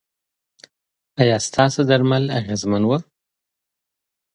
ایا ستاسو درمل اغیزمن وو؟